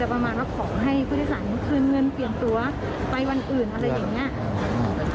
ประมาณว่าขอให้ผู้โดยสารคืนเงินเปลี่ยนตัวไปวันอื่นอะไรอย่างนี้